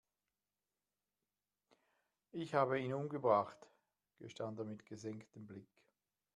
Ich habe ihn umgebracht, gestand er mit gesenktem Blick.